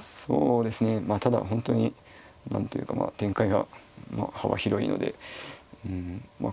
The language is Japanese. そうですねまあただ本当に何というか展開が幅広いのでうんまあ